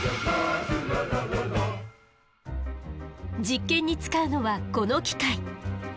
実験に使うのはこの機械。